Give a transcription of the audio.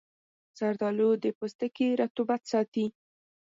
زردآلو د پوستکي رطوبت ساتي.